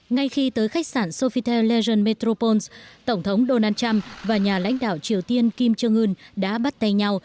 ngay khi tới khách sạn sofitel legend metropole tổng thống donald trump và nhà lãnh đạo triều tiên kim trương ơn đã bắt tay nhau